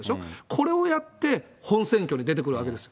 これやって、本選挙に出てくるわけです。